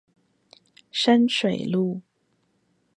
深水路